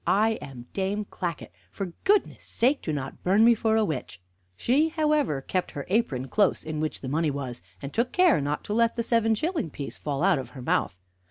I am Dame Clackett! For goodness' sake do not burn me for a witch!" She, however, kept her apron close in which the money was, and took care not to let the seven shilling piece fall out of her mouth.